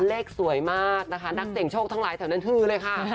เลขสวยมากนะคะนักเสี่ยงโชคทั้งหลายแถวนั้นคือเลยค่ะ